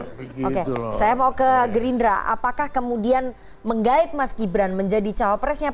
iya oke semoga peringatannya opung didengar ya oke saya mau ke gerindra apakah kemudian menggait mas gibran menjadi cawapresnya pak jokowi